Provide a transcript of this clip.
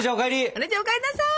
お姉ちゃんお帰んなさい！